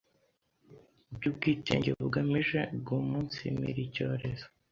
by’ubwitenge bugemije guumunsimire icyorezo